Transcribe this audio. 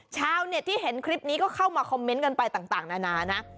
ชาวเน็ตที่เห็นคลิปนี้ก็เข้ามาคอมเมนต์กันไปต่างนานานะ